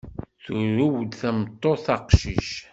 Turew-d tmeṭṭut aqcic.